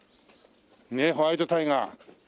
ねえホワイトタイガー。